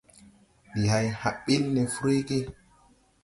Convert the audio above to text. Ndi hay hã bil ne fruygi.